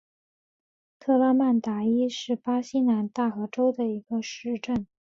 特拉曼达伊是巴西南大河州的一个市镇。